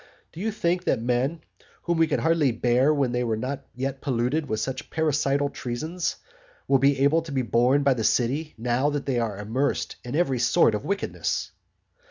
Can you think that men whom we could hardly bear when they were not yet polluted with such parricidal treasons; will be able to be borne by the city now that they are immersed in every sort of wickedness?